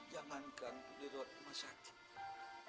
jangankan dirawat rumah sakit